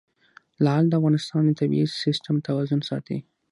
لعل د افغانستان د طبعي سیسټم توازن ساتي.